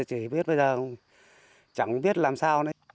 chỉ biết bây giờ chẳng biết làm sao nữa